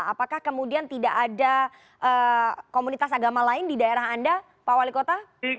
apakah kemudian tidak ada komunitas agama lain di daerah anda pak wali kota